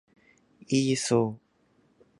イーソー